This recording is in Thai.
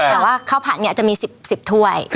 แต่ว่าข้าวผัดเนี่ยจะมี๑๐ถ้วย